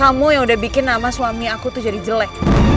kamu yang udah bikin nama suami aku tuh jadi jelek